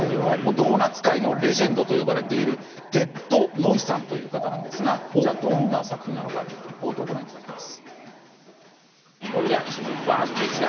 ドーナツ界のレジェンドと言われているテッド・ノイさんという方なんですがどんな作品が冒頭をご覧いただきます。